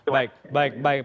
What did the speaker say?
baik baik baik